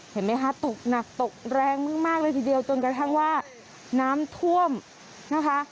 เห็นไหมคะตกหนักตกแรงมากเลยทีเดียวจนกระทั่งว่าน้ำท่วมนะคะ